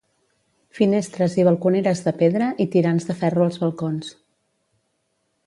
Finestres i balconeres de pedra i tirants de ferro als balcons.